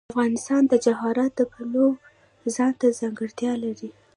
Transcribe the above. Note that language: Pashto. افغانستان د جواهرات د پلوه ځانته ځانګړتیا لري.